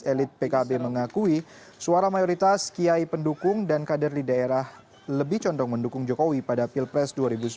elit pkb mengakui suara mayoritas kiai pendukung dan kader di daerah lebih condong mendukung jokowi pada pilpres dua ribu sembilan belas